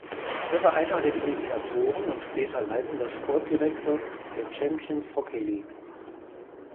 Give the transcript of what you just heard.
Er war einer der Initiatoren und später leitender Sportdirektor der Champions Hockey League.